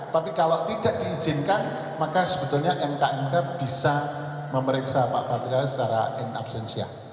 tapi kalau tidak diizinkan maka sebetulnya mknk bisa memeriksa pak materialis secara in absensia